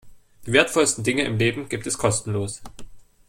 Die wertvollsten Dinge im Leben gibt es kostenlos.